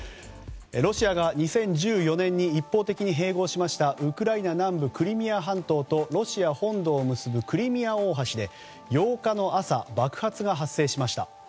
ロシアが２０１４年に一方的に併合しましたウクライナ南部クリミア半島とロシア本土を結ぶクリミア大橋で８日の朝、爆発が発生しました。